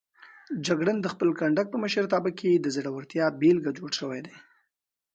جګړن د خپل کنډک په مشرتابه کې د زړورتیا بېلګه جوړ شوی دی.